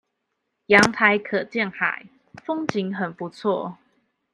陽台可見海，風景很不錯